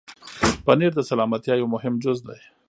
پنېر د سلامتیا یو مهم جز دی.